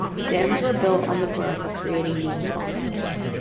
Dams were built on the brook, creating Deans Pond.